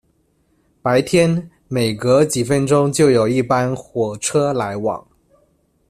白天，每隔几分钟就有一班火车来往。